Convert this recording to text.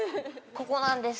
ここなんです